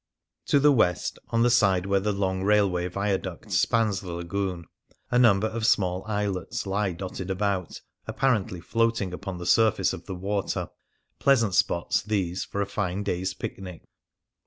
To the west, on the side where the long rail way viaduct spans the Lagoon, a number of small islets lie dotted about, apparently float ing upon the surface of the water; pleasant spots, these, for a fine day's picnic.